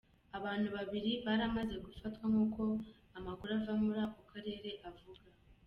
Abantu babiri baramaze gufatwa nkuko amakuru ava muri ako karere avuga.